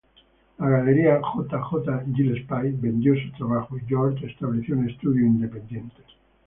La galería J. J. Gillespie vendió sus trabajos y George estableció un estudio independiente.